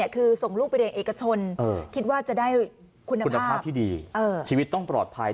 คือส่งลูกไปเรียนเอกชนคิดว่าจะได้คุณภาพที่ดีชีวิตต้องปลอดภัย